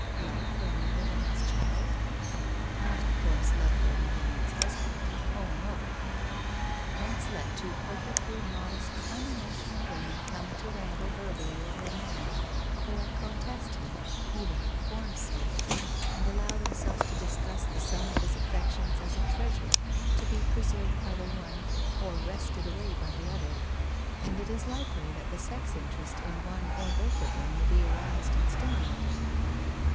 Love for another woman's child? Not, of course, love for another woman's husband ? Oh, no ! Once let two perfectly modest unemotional women come to wrangle verbally over a man, or contest him, even for WHITE ROSE OF WEARY LEAF 207 form's sake, and allow themselves to discuss the sum of his affections as a treasure to be preserved by the one or wrested away by the other, and it is likely that the sex interest in one or both of them will be aroused and stimu lated.